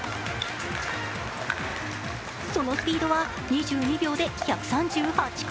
そのスピードは２２秒で１３８回。